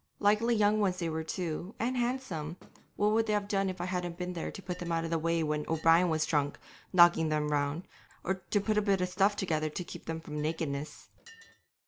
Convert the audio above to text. Likely young ones they were too, and handsome, what would they have done if I hadn't been there to put them out of the way when O'Brien was drunk, and knocking them round, or to put a bit of stuff together to keep them from nakedness?